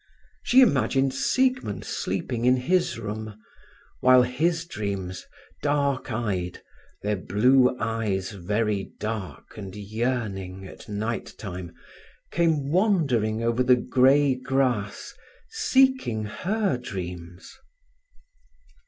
She imagined Siegmund sleeping in his room, while his dreams, dark eyed, their blue eyes very dark and yearning at night time, came wandering over the grey grass seeking her dreams.